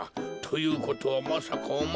ということはまさかおまえは。